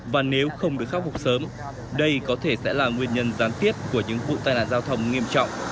và nếu không được khắc phục sớm đây có thể sẽ là nguyên nhân gián tiếp của những vụ tai nạn giao thông nghiêm trọng